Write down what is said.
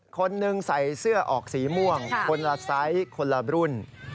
คนหนึ่งใส่เสื้อออกสีม่วงคนละไซส์คนละรุ่น